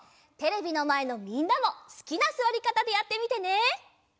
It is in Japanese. テレビのまえのみんなもすきなすわりかたでやってみてね！